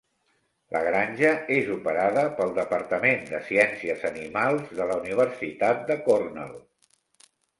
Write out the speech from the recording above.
La granja és operada pel departament de ciències animals de la universitat de Cornell.